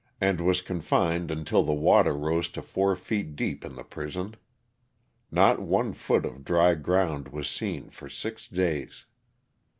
and was confined until the water rose to four feet deep in the prison; not one foot of dry ground was seen for six days.